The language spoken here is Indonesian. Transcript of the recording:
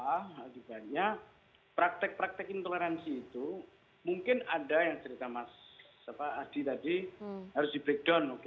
akibatnya praktek praktek intoleransi itu mungkin ada yang cerita mas adi tadi harus di breakdown